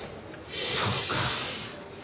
そうか。